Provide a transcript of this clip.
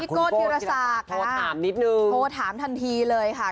โก้ธีรศักดิ์โทรถามนิดนึงโทรถามทันทีเลยค่ะ